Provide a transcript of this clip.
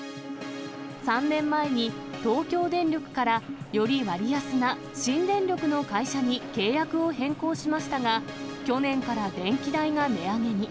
３年前に東京電力からより割安な新電力の会社に契約を変更しましたが、去年から電気代が値上げに。